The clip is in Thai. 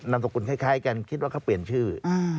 มสกุลคล้ายกันคิดว่าเขาเปลี่ยนชื่อ